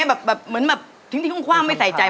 แบบเหมือนแบบทิ้งที่คว่างไม่ใส่ใจ